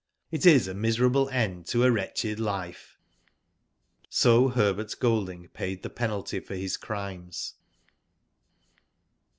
It is a miserable end to a wretched life." So Herbert Golding paid the penalty for his crimes.